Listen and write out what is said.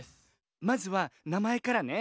まずはなまえからね。